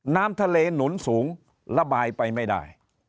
น้ำทะเลหนุนสูงระบายไปไม่ได้